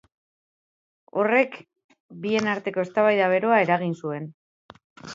Horrek bien arteko eztabaida beroa eragin zuen.